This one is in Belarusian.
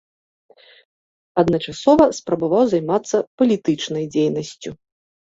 Адначасова спрабаваў займацца палітычнай дзейнасцю.